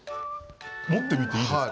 持ってみていいですか？